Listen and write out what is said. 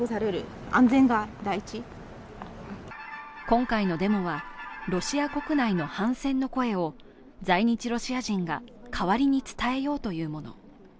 今回のデモは、ロシア国内の反戦の声を在日ロシア人が代わりに伝えようというもの。